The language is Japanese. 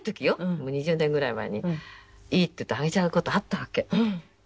もう２０年ぐらい前に「いい」って言うとあげちゃう事あったわけ。